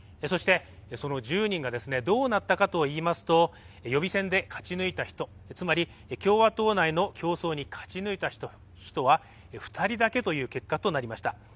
そして、その１０人がどうなったかといいますと予備選で勝ち抜いた人つまり共和党内の競争に勝ち抜いた人は２人だけという結果となりました。